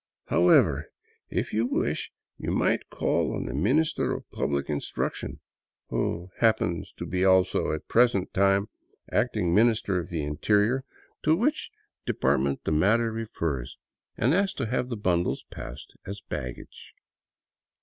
However, If you wish, you might call on the Minister of Public Instruction — who happens to be also at the present time acting Minister of the Interior, to which de 138 THE CIT\' OF THE EQUATOR partment the matter refers — and ask to have the bundles passed as baggage."